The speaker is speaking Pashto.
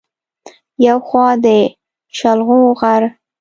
يو خوا د شلخو غر